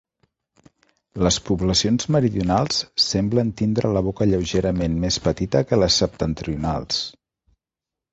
Les poblacions meridionals semblen tindre la boca lleugerament més petita que les septentrionals.